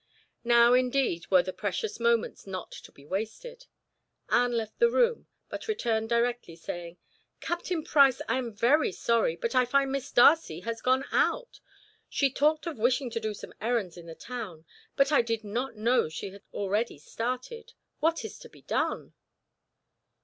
Now, indeed, were the precious moments not to be wasted; Anne left the room, but returned directly, saying: "Captain Price, I am very sorry, but I find Miss Darcy has gone out. She talked of wishing to do some errands in the town, but I did not know she had already started. What is to be done?"